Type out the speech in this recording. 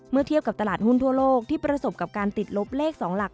เทียบกับตลาดหุ้นทั่วโลกที่ประสบกับการติดลบเลข๒หลัก